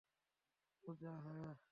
পূজা, - হ্যাঁ।